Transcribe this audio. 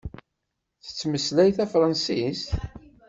Tettmeslay tafṛansist?